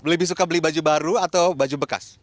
lebih suka beli baju baru atau baju bekas